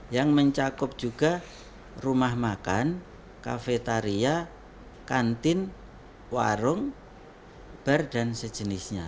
yang mencakup juga rumah makan kafetaria kantin warung bar dan sejenisnya